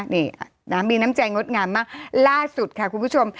นี่นะมีน้ำใจงดงามมากล่าสุดค่ะคุณผู้ชม